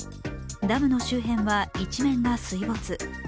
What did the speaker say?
ダムの周辺は一面が水没。